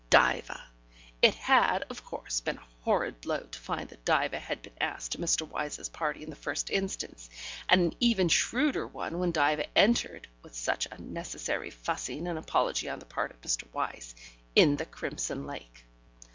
... Diva! It had, of course, been a horrid blow to find that Diva had been asked to Mr. Wyse's party in the first instance, and an even shrewder one when Diva entered (with such unnecessary fussing and apology on the part of Mr. Wyse) in the crimson lake.